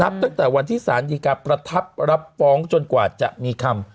ตั้งแต่วันที่สารดีการประทับรับฟ้องจนกว่าจะมีคำ